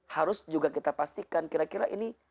harus juga kita pastikan kira kira ini